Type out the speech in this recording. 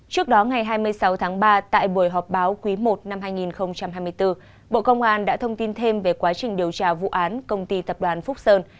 trước đó ngày hai mươi sáu tháng ba tại buổi họp báo quý i năm hai nghìn hai mươi bốn bộ công an đã thông tin thêm về quá trình điều tra vụ án công ty tập đoàn phúc sơn